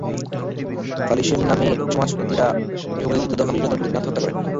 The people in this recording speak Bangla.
সালিসের নামে সমাজপতিরা গৃহবধূটিকে দ্বিতীয় দফা নির্যাতন করলে তিনি আত্মহত্যা করেন।